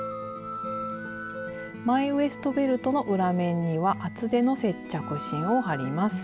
前ウエストベルトの裏面には厚手の接着芯を貼ります。